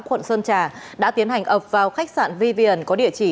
quận sơn trà đã tiến hành ập vào khách sạn vivin có địa chỉ